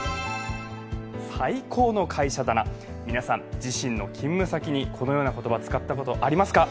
最高の会社だな、皆さん、自身の勤務先に、このような言葉を使ったことはありますか？